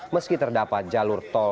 meski terdapat jalur mudik yang tidak dikenal